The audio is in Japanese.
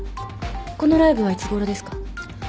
このライブはいつごろですか？